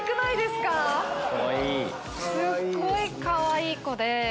すっごいかわいい子で。